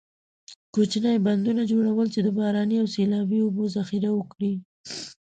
کوچنۍ بندونو جوړول چې د باراني او سیلابي اوبو ذخیره وکړي.